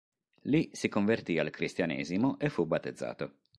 Lì si convertì al cristianesimo e fu battezzato.